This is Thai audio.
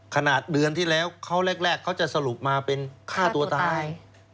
เดือนที่แล้วเขาแรกเขาจะสรุปมาเป็นฆ่าตัวตาย